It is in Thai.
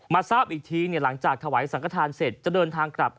ทราบอีกทีหลังจากถวายสังกฐานเสร็จจะเดินทางกลับ